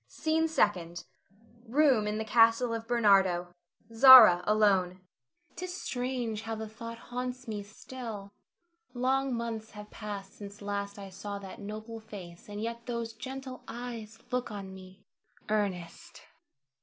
SCENE SECOND. [Room in the castle of Bernardo. Zara alone]. Zara. 'Tis strange how the thought haunts me still. Long months have passed since last I saw that noble face, and yet those gentle eyes look on me! Ernest!